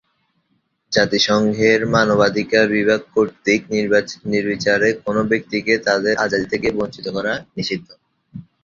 জাতিসংঘের মানবাধিকার বিভাগ কর্তৃক নির্বিচারে কোনও ব্যক্তিকে তাদের আজাদী থেকে বঞ্চিত করা নিষিদ্ধ।